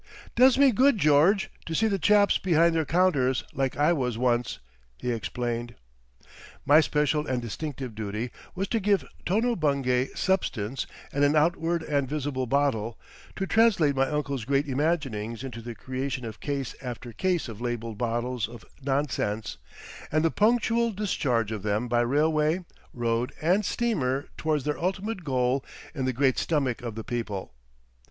"Does me good, George, to see the chaps behind their counters like I was once," he explained. My special and distinctive duty was to give Tono Bungay substance and an outward and visible bottle, to translate my uncle's great imaginings into the creation of case after case of labelled bottles of nonsense, and the punctual discharge of them by railway, road and steamer towards their ultimate goal in the Great Stomach of the People.